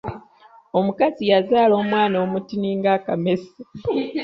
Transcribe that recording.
Omukazi yazaala omwana omutini ng’akamese.